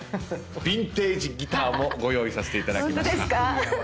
ビンテージギターもご用意させていただきました。